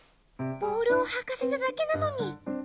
ボールをはかせただけなのに。